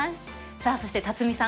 さあそして辰巳さん。